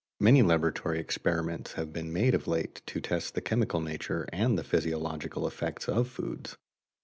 Many laboratory experiments have been made of late to test the chemical nature and the physiological effects of foods.